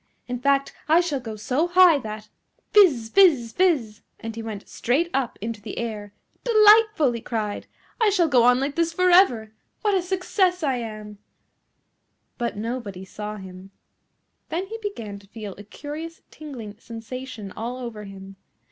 In fact, I shall go so high that " Fizz! Fizz! Fizz! and he went straight up into the air. "Delightful," he cried, "I shall go on like this for ever. What a success I am!" But nobody saw him. Then he began to feel a curious tingling sensation all over him.